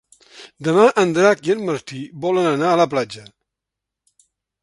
Demà en Drac i en Martí volen anar a la platja.